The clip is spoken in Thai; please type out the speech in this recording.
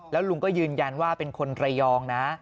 แล้วลุงก็ยืนยันว่าเป็นคนระยองนะ